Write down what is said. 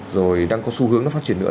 rồi đang có xu hướng nó phát triển nữa